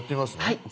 はい。